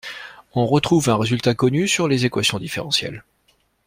On retrouve un résultat connu sur les équations différentielles.